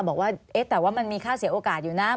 บอกว่าแต่ว่ามันมีค่าเสียโอกาสอยู่นะ